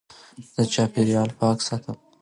زه چاپېریال پاک ساتم.